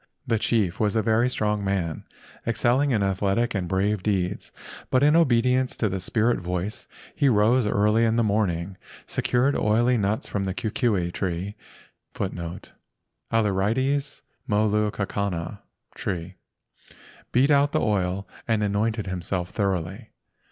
The chief was a very strong man, excelling in athletic and brave deeds, but in obedience to the spirit voice he rose early in the morning, secured oily nuts from a kukui * tree, beat out the oil, and anointed himself thoroughly.